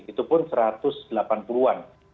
itu pun satu ratus delapan puluh an